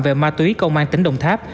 về ma túy công an tỉnh đồng tháp